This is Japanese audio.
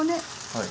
はい。